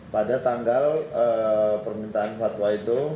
pada tanggal permintaan fatwa itu